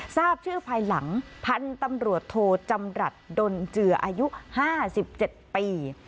ทราบชื่อภายหลังพันธุ์ตำรวจโทรจำรัดโดนเจืออายุห้าสิบเจ็ดปี